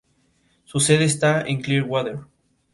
Su sede está en Clearwater.